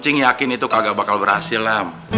cing yakin itu kagak bakal berhasil lam